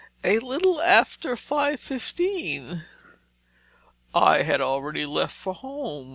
"A little after five fifteen." "I had already left for home.